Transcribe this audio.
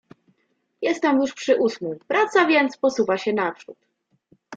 "Jestem już przy ósmym, praca więc posuwa się naprzód."